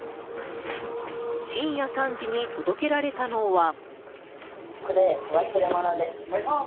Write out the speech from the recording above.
深夜３時に届けられたのは。